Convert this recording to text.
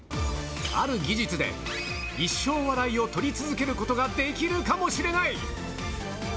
ある技術で、一生笑いを取り続けることができるかもしれない。